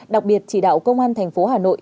đặc biệt chỉ đạo công an thành phố hà nội